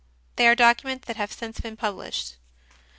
They are documents that have since been published.